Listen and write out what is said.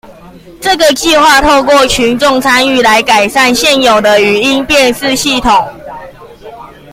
這個計畫透過群眾參與，來改善現有的語音辨識系統